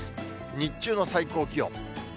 日中の最高気温。